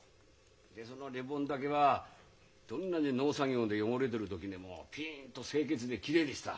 でそのリボンだけはどんなに農作業で汚れてる時でもピンと清潔できれいでした。